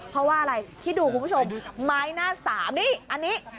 เพราะว่าอะไรคิดดูคุณผู้ชมไม้หน้าสามนี่อันนี้